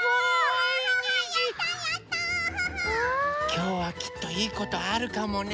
きょうはきっといいことあるかもね。